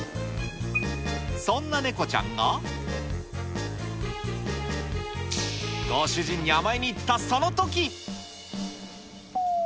そんなネコちゃんが、ご主人に甘えにいったそのとき！